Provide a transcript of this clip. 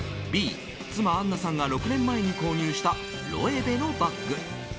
Ｂ、妻あんなさんが６年前に購入したロエベのバッグ。